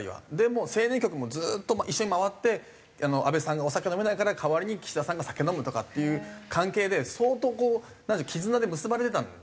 もう青年局もずっと一緒に回って安倍さんがお酒飲めないから代わりに岸田さんが酒飲むとかっていう関係で相当こう絆で結ばれてたんですよね。